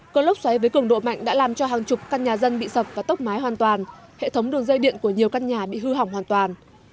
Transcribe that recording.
cơ lốc xoáy với cường độ mạnh đã làm cho hàng chục căn nhà dân bị sập và tốc mái hoàn toàn hệ thống đường dây điện của nhiều căn nhà bị hư hỏng hoàn toàn